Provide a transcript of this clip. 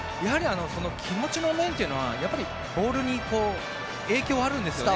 気持ちの面というのはボールに影響があるんですよね。